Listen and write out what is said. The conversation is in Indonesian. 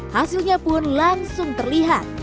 hasilnya pun langsung terlihat